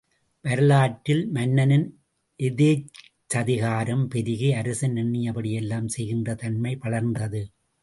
வரலாற்றில் மன்னனின் எதேச்சாதிகாரம் பெருகி, அரசன் எண்ணியபடியெல்லாம் செய்கின்ற தன்மை வளர்ந்தது.